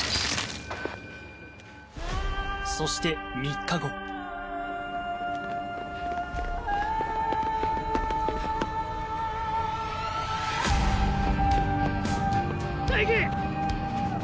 そして３日後大樹！